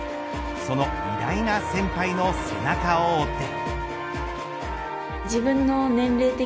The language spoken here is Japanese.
その偉大な先輩の背中を追って。